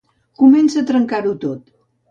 Comença a trencar-ho tot.